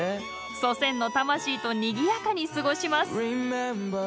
祖先の魂とにぎやかに過ごします。